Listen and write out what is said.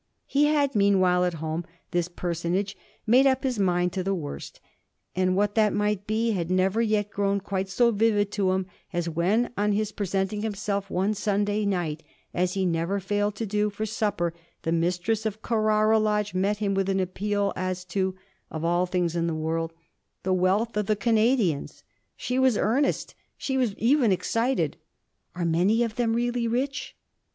He had meanwhile at home, this personage, made up his mind to the worst; and what that might be had never yet grown quite so vivid to him as when, on his presenting himself one Sunday night, as he never failed to do, for supper, the mistress of Carrara Lodge met him with an appeal as to of all things in the world the wealth of the Canadians. She was earnest, she was even excited. 'Are many of them really rich?'